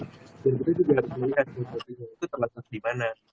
jadi kita juga harus melihat mutasinya itu terletak dimana